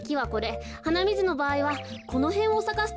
はなみずのばあいはこのへんをさかすといいのですが。